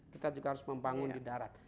kita juga harus membangun di darat